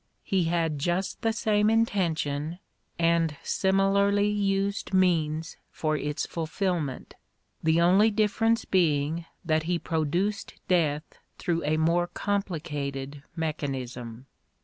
He had just the same intention, and similarly used means for its fulfilment ; the only difference being that he produced death through a more com plicated mechanism.